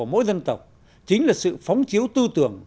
mỗi dân tộc chính là sự phóng chiếu tư tưởng